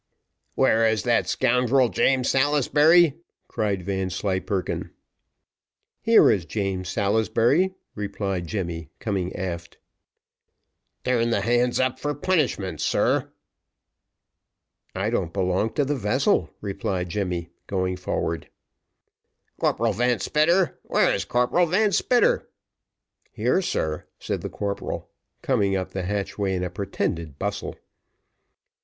"Where is that scoundrel, James Salisbury?" cried Vanslyperken. "Here is James Salisbury," replied Jemmy, coming aft. "Turn the hands up for punishment, sir." "I don't belong to the vessel," replied Jemmy, going forward. "Corporal Van Spitter where is Corporal Van Spitter?" "Here, sir," said the corporal, coming up the hatchway in a pretended bustle.